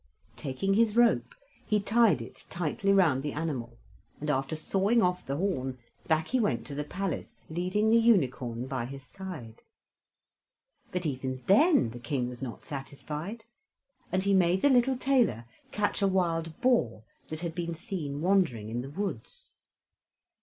Taking his rope, he tied it tightly round the animal, and, after sawing off the horn, back he went to the palace, leading the unicorn by his side. But even then the King was not satisfied, and he made the little tailor catch a wild boar that had been seen wandering in the woods.